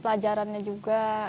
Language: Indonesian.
mengatakan atau tidak